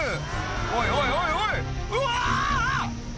「おいおいおいおいうわ！」